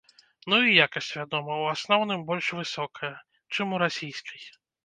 Ну і якасць, вядома, у асноўным больш высокая, чым у расійскай.